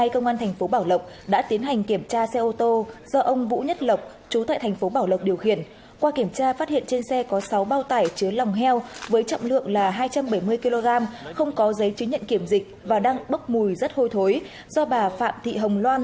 công an thành phố bảo lộc tỉnh lâm đồng cho biết trong những ngày cuối tháng một mươi hai năm hai nghìn một mươi năm đã phát hiện và xử lý ba vụ bận chuyển thực phẩm động vật không có giấy chứng nhận kiểm dịch với số lượng hàng hóa lớn